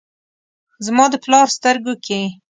زما د پلار سترګو کې ،